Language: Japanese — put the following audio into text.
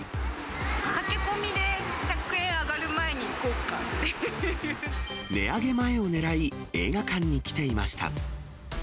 駆け込みで、値上げ前を狙い、映画館に来ていました。